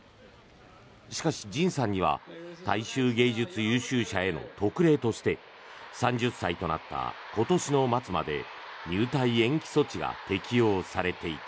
しかし、ＪＩＮさんには大衆芸術優秀者への特例として３０歳となった今年の末まで入隊延期措置が適用されていた。